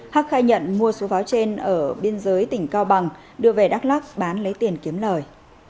hắc khai nhận mua số pháo trên ở biên giới tỉnh cao bằng đưa về đắk lắc bán lấy tiền kiếm lời